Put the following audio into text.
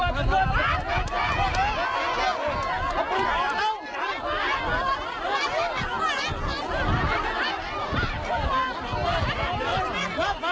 สวัสดีครับ